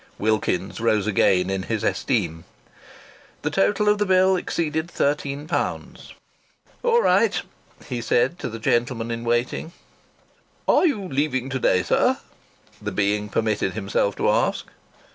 Wilkins's rose again in his esteem. The total of the bill exceeded thirteen pounds. "All right," he said to the gentleman in waiting. "Are you leaving to day, sir?" the being permitted himself to ask.